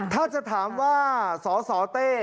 ถ้าจะถามว่าสสเต้